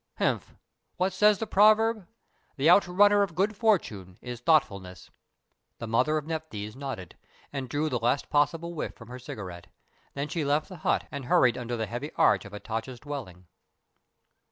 Henf! what says the proverb? 'The outrunner of good fortune is thoughtfulness.'" The mother of Nephthys nodded, and drew the last possible whiff from her cigarette. Then she left the hut and hurried under the heavy arch of Hatatcha's dwelling.